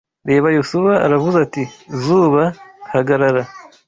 REBA Yosuwa Aravuze ati ‘zuba, hagarara!